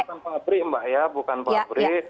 bukan pabrik mbak ya bukan pabrik